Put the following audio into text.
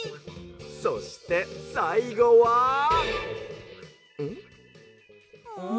「そしてさいごは。ん？」。